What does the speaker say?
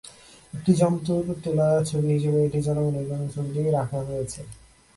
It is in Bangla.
একটি জন্তুর তোলা ছবি হিসেবে এটি জনগণের জন্য ছবিটি রাখা হয়েছে।